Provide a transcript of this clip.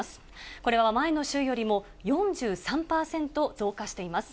これは前の週よりも４３％増加しています。